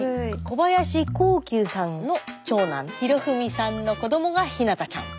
小林幸久さんの長男宏文さんの子どもがひなたちゃん。